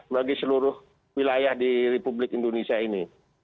bagi seluruh wilayah di republik indonesia ini